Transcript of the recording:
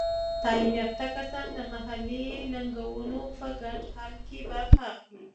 تعلیم یافته کسان د محلي ننګونو په ګډه حل کې برخه اخلي.